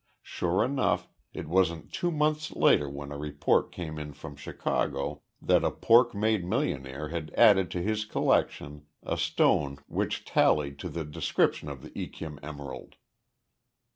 Sure enough, it wasn't two months later when a report came in from Chicago that a pork made millionaire had added to his collection a stone which tallied to the description of the Yquem emerald.